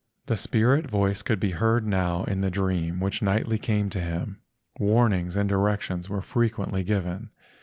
The spirit voice could be heard now in the dream which nightly came to him. Warnings and directions were frequently given.